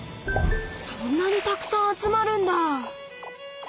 そんなにたくさん集まるんだ！